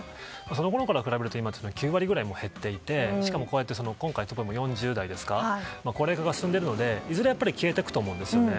そのころから比べると９割ぐらい減っていてしかも今回４０代と高齢化が進んでいるのでいずれ消えていくと思うんですよね。